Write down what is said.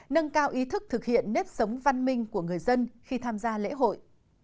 nâng cao ý thức thực hiện nếp sống văn minh của người dân khi tham gia lễ hội